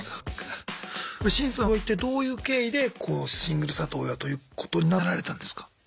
シンさんは一体どういう経緯でシングル里親ということになられたんですか？